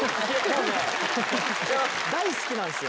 大好きなんですよ。